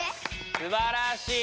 すばらしい！